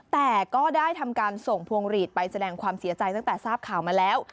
แต่ก็ได้ทำการส่งพวงหลีดไปแสดงความเสียใจตั้งแต่ทราบข่าวมาแล้ว